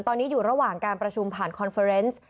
ตอนนี้อยู่ระหว่างการประชุมผ่านคอนเฟอร์เนส